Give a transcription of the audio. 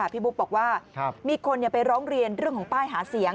บุ๊กบอกว่ามีคนไปร้องเรียนเรื่องของป้ายหาเสียง